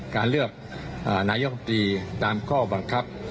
การเลือกนายกรรมตรีตามข้อบังคับ